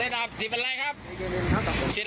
อย่าขึ้นไปอย่าขึ้นไป